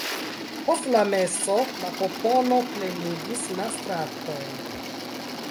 Post la meso la popolo plenigis la stratojn.